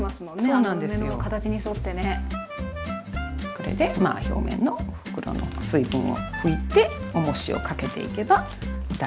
これで表面の袋の水分を拭いておもしをかけていけば大丈夫。